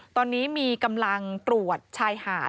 ตอนนี้มีกำลังตรวจชายหาด